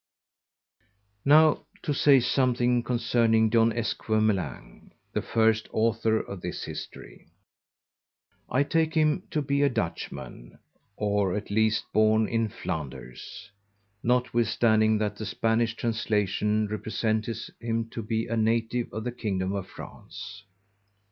Now, to say something concerning John Esquemeling, the first Author of this History. I take him to be a Dutch man, or at least born in Flanders, notwithstanding that the Spanish Translation representeth him to be a Native of the Kingdom of France.